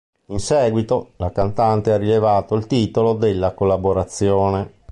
In seguito, la cantante ha rivelato il titolo della collaborazione.